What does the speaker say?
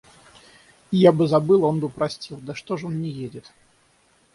Я бы забыла, он бы простил... Да что ж он не едет?